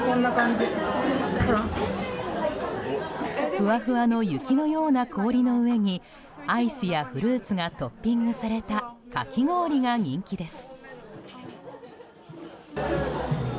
ふわふわの雪のような氷の上にアイスやフルーツがトッピングされたかき氷が人気です。